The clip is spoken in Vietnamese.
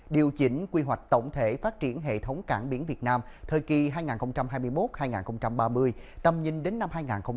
điều chỉnh quy hoạch tổng thể phát triển hệ thống cảng biển việt nam thời kỳ hai nghìn hai mươi một hai nghìn ba mươi tầm nhìn đến năm hai nghìn năm mươi